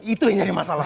itu yang jadi masalah